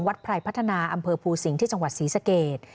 ไพรพัฒนาอำเภอภูสิงห์ที่จังหวัดศรีสเกต